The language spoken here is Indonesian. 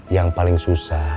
yang paling susah